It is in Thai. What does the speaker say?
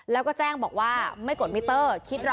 แล้วก็แจ้งบอกว่าไม่กดมิเตอร์